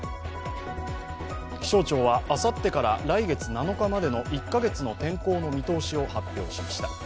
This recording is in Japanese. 気象庁はあさってから来月７日までの１か月の天候の見通しを発表しました。